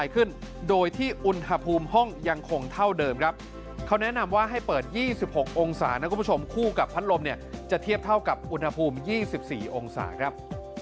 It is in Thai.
กลุ่ม๒๔องศาครับ